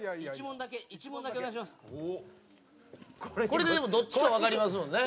これででもどっちかわかりますもんね。